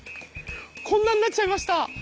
こんなになっちゃいました。